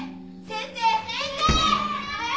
先生！